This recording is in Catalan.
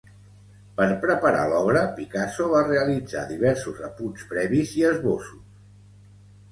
Per preparar l'obra, Picasso va realitzar diversos apunts previs i esbossos.